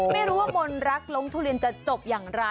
ไม่รู้ว่ามนต์รักลงทุเรียนจะจบอย่างไร